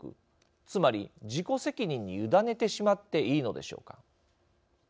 つまり、自己責任に委ねてしまっていいのでしょうか。